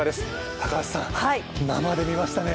高橋さん、生で見ましたね！